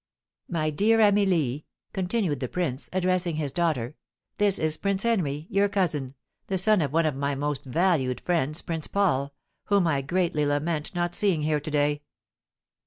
"My dear Amelie," continued the prince, addressing his daughter, "this is Prince Henry, your cousin, the son of one of my most valued friends, Prince Paul, whom I greatly lament not seeing here to day."